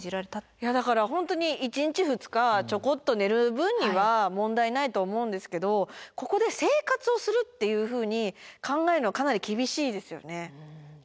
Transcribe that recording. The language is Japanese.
いやだから本当に１日２日ちょこっと寝る分には問題ないと思うんですけどここで生活をするっていうふうに考えるのはかなり厳しいですよね。